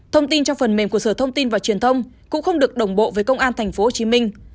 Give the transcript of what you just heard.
thông tin trong phần mềm của sở thông tin và truyền thông cũng không được đồng bộ với công an thành phố hồ chí minh